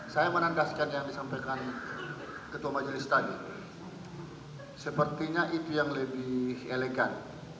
saya menandaskan yang disampaikan ketua majelis tadi sepertinya itu yang lebih elegan